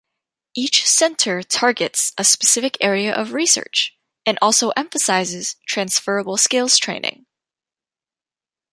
Each Centre targets a specific area of research, and also emphasises transferable skills training.